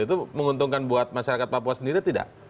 itu menguntungkan buat masyarakat papua sendiri atau tidak